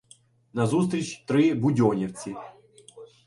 Назустріч — три будьонівці.